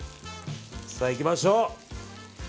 さあ、いきましょう！